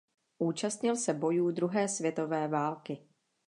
Účastnil se bojů druhé světové války.